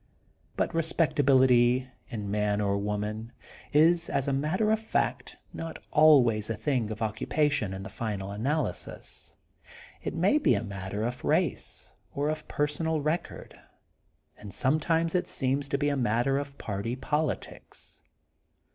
But respectability, in man or woman, is, as a matter of fact, not always a thing of occupation in the final analysis. It may be a matter of race or of personal record. And sometimes it seems to be a matter of party politics.